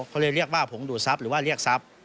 เขาเลยเรียกว่าผงดูดทรัพย์หรือว่าเรียกทรัพย์